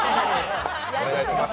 お願いします。